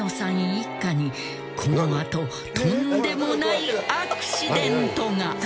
一家に海里△とんでもないアクシデントが！